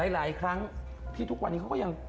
หลายครั้งที่ทุกวันนี้เขาก็ยัง